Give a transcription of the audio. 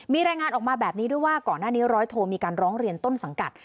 มีรายงานออกมาแบบนี้ด้วยว่าก่อนหน้านี้ร้อยโทมีการร้องเรียนต้นสังกัด